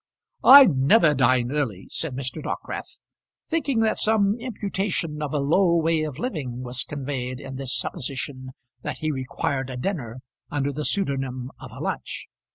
"I never dine early," said Mr. Dockwrath, thinking that some imputation of a low way of living was conveyed in this supposition that he required a dinner under the pseudonym of a lunch.